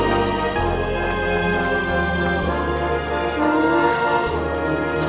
koja afira bernama uap'il